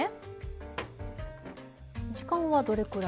時間はどれくらい？